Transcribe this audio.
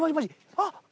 あっ！